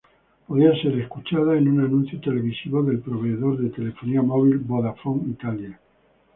Podía ser escuchada en un anuncio televisivo del proveedor de telefonía móvil Vodafone Italia.